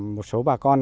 một số bà con